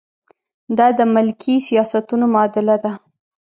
دا د ملکي سیاستونو معادله ده.